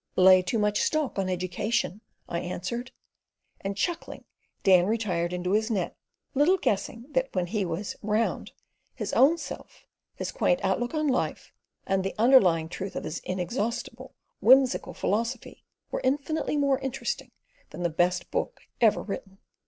"Lay too much stock on education," I answered, and, chuckling, Dan retired into his net, little guessing that when he was "round," his own self, his quaint outlook on life, and the underlying truth of his inexhaustible, whimsical philosophy, were infinitely more interesting than the best book ever written.